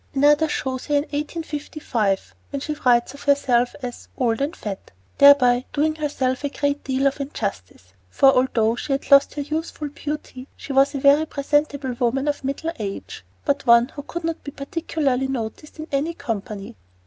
Another shows her in 1855, when she writes of herself as "old and fat" thereby doing herself a great deal of injustice; for although she had lost her youthful beauty, she was a very presentable woman of middle age, but one who would not be particularly noticed in any company.